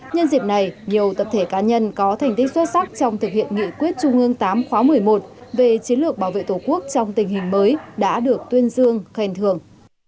nhân dịp này nhiều tập thể cá nhân có thành tích xuất sắc trong thực hiện nghị quyết trung ương tám khóa một mươi một về chiến lược bảo vệ tổ quốc trong tình hình mới đã được tuyên dương khen thường